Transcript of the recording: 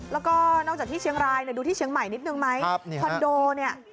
แล้วก็นอกจากที่เชียงรายดูที่เชียงใหม่นิดนึงไหม